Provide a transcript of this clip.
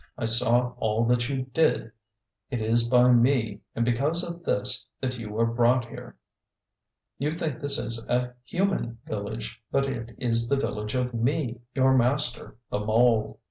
I saw all that you did. It is by me, and because of this, that you are brought here. You think this is a human village; but it is the village of me, your master the mole.